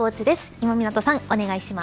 今湊さん、お願いします。